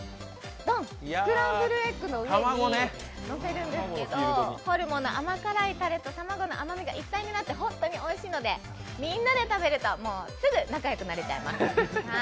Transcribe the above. スクランブルエッグの上にのせるんですけとホルモンの甘辛いタレと卵の甘みが一体となって、本当においしいのでみんなで食べるともうすぐ仲よくなれちゃいます。